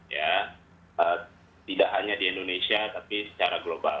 ya tidak hanya di indonesia tapi secara global